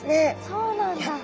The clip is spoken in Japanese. そうなんだ。